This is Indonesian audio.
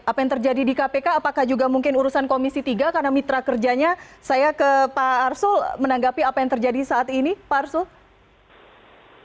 apa yang terjadi di kpk apakah juga mungkin urusan komisi tiga karena mitra kerjanya saya ke pak arsul menanggapi apa yang terjadi saat ini pak arsul